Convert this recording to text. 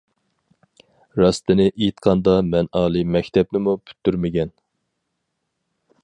راستىنى ئېيتقاندا مەن ئالىي مەكتەپنىمۇ پۈتتۈرمىگەن.